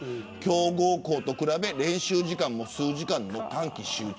強豪校と比べ練習時間も数時間の短期集中。